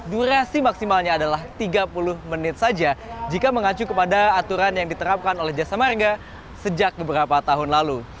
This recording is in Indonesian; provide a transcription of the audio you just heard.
durasi maksimalnya adalah tiga puluh menit saja jika mengacu kepada aturan yang diterapkan oleh jasa marga sejak beberapa tahun lalu